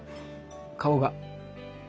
顔が。